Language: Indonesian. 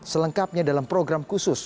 selengkapnya dalam program khusus